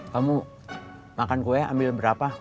kamu makan kue ambil berapa